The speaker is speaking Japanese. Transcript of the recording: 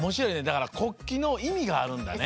だから国旗のいみがあるんだね。